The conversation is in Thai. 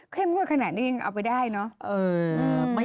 งวดขนาดนี้ยังเอาไปได้เนอะ